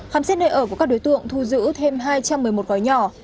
khám xét nơi ở của các đối tượng thu giữ thêm hai trăm một mươi một gói nhỏ